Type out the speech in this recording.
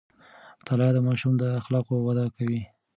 مطالعه د ماشوم د اخلاقو وده کوي.